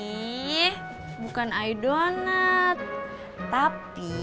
ih bukan idonat tapi